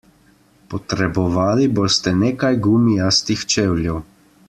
Potrebovali boste nekaj gumijastih čevljev.